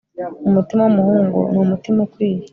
umutima wumuhungu numutima ukwiye